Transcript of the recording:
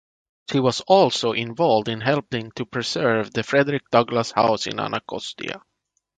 She was also involved in helping to preserve the Frederick Douglass House in Anacostia.